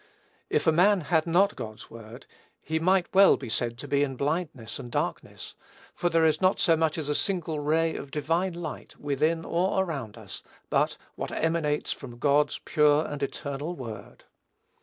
If a man had not God's word, he might well be said to be in blindness and darkness, for there is not so much as a single ray of divine light, within or around us, but what emanates from God's pure and eternal word.